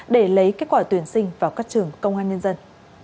để lấy kết quả tuyển sinh vào các trường công an nhân dân